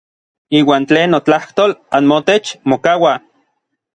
Iuan tlen notlajtol anmotech mokaua.